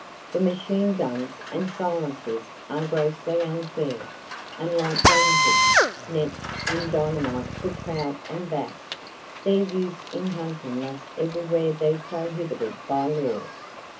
The machine guns and "silencers" are grossly unfair, and like gang hooks, nets and [Page 147] dynamite for trout and bass, their use in hunting must everywhere be prohibited by law.